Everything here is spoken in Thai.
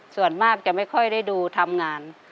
ส่วนมากจะไม่ค่อยได้ดูทำงาน